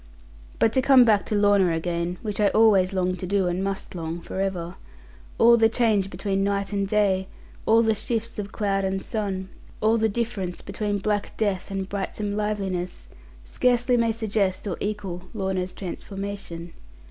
But to come back to Lorna again (which I always longed to do, and must long for ever), all the change between night and day, all the shifts of cloud and sun, all the difference between black death and brightsome liveliness, scarcely may suggest or equal Lorna's transformation.